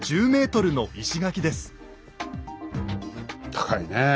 高いねえ。